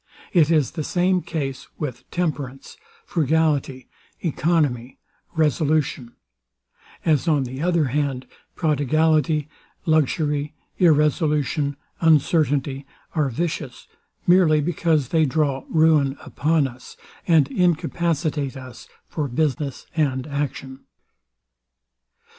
It is the same case with temperance, frugality, economy, resolution: As on the other hand, prodigality, luxury, irresolution, uncertainty, are vicious, merely because they draw ruin upon us, and incapacitate us for business and action.